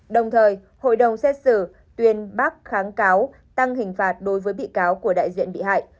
đồng thời hội đồng xét xử tuyên bác kháng cáo tăng hình phạt đối với bị cáo của đại diện bị hại